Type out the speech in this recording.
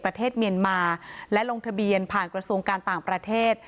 ประเทศเมียนมาและลงทะเบียนผ่านกระทรวงการต่างประเทศ